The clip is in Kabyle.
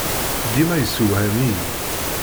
Dima yessewham-iyi.